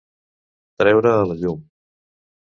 Treure a la llum.